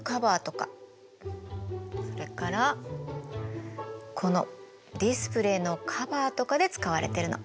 それからこのディスプレイのカバーとかで使われてるの。